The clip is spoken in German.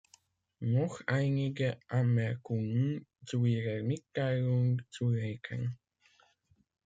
Noch einige Anmerkungen zu Ihrer Mitteilung zu Laeken.